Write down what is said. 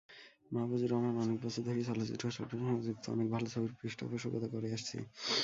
মাহফুজুর রহমানঅনেক বছর ধরেই চলচ্চিত্রশিল্পের সঙ্গে যুক্ত থেকে ভালো ছবির পৃষ্ঠপোষকতা করে আসছি।